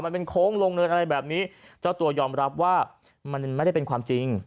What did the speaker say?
มันเป็นโค้งลงเนินอะไรแบบนี้เจ้าตัวยอมรับว่ามันไม่ได้เป็นความจริง